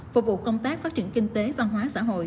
phục vụ công tác phát triển kinh tế văn hóa xã hội